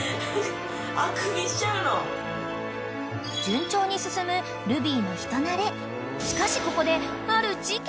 ［順調に進むルビーの人馴れ］